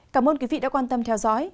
cảm ơn quý vị đã quan tâm theo dõi